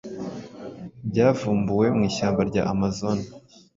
byavumbuwe mu ishyamba rya amazon